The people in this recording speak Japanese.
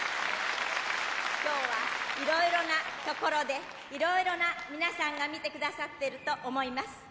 今日はいろいろなところでいろいろな皆さんが見てくださってると思います。